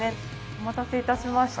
お待たせ致しました。